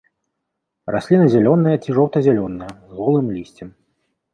Расліна зялёная ці жоўта-зялёная з голым лісцем.